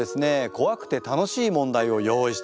怖くて楽しい問題を用意してあります。